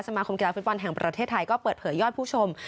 มาคมกีฬาฟุตบอลแห่งประเทศไทยก็เปิดเผยยอดผู้ชม